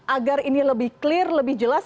agar ini lebih clear lebih jelas